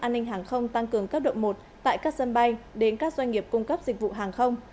an ninh hàng không tăng cường cấp độ một tại các sân bay đến các doanh nghiệp cung cấp dịch vụ hàng không